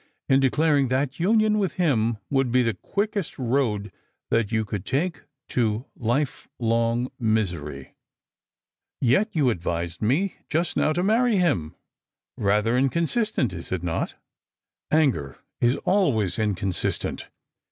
215 in declaring that union with him would be the quickest road that you could take to life long misery." " Yet you advised me just now to marry hira. Eather incon Bistent, is it not?" " Anger is always inconsistent.